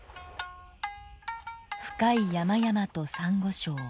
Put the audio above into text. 深い山々とサンゴ礁。